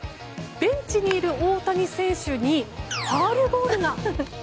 ベンチにいる大谷選手にファウルボールが。